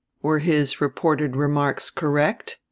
"Were his reported remarks correct?"